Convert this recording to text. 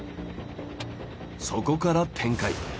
そこから展開。